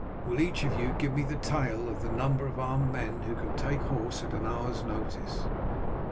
Will each of you give me the tale of the number of armed men who can take horse at an hour's notice."